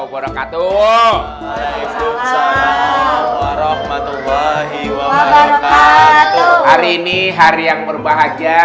waalaikumsalam warahmatullahi wabarakatuh hari ini hari yang berbahagia